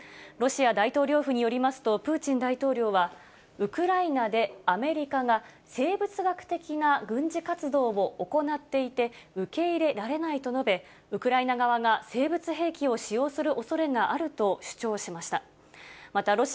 ロシア大統領府によりますと、プーチン大統領は、ウクライナでアメリカが生物学的な軍事活動を行っていて、受け入れられないと述べ、ウクライナ側が生物兵器を使用するおそれがあると主張しました。